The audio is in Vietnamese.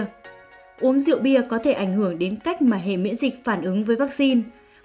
uống rượu bia có thể ảnh hưởng đến cách mà hệ miễn dịch phản ứng với vaccine